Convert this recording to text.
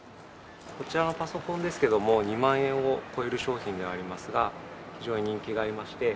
こちらのパソコンですけども、２万円を超える商品ではありますが、非常に人気がありまして。